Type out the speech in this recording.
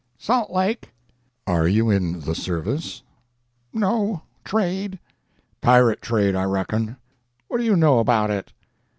"Salt Lake." "Are you in the service?" "No. Trade." "Pirate trade, I reckon." "What do you know about it?"